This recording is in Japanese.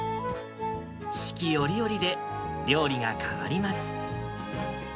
四季折々で料理が変わります。